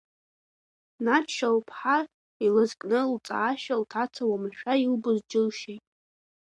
Надшьа лԥҳа илызкны лҵаашьа лҭаца уамашәа илбоз џьылшьеит.